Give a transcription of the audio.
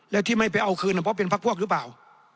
แล้วที่ไม่ไปเอาคืนเพราะเป็นพักพวกหรือเปล่า